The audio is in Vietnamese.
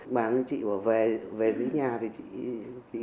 bạn chị bảo về dưới nhà thì chị